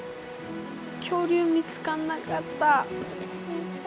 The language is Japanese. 見つかんなかった。